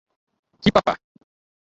Quipapá